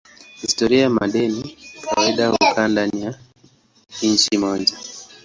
Historia ya madeni kawaida hukaa ndani ya nchi moja.